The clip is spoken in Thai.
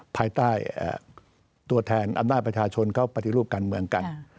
ภายใต้ตัวแทนอำนาจประชาชนเขาปฏิรูปการเมืองกัน